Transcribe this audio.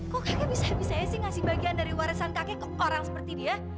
kok kayaknya bisa aja sih ngasih bagian dari warisan kakek orang seperti dia